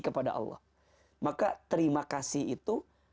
kepada allah maka terima kasih itu